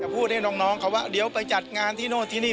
พูดให้น้องเขาว่าเดี๋ยวไปจัดงานที่โน่นที่นี่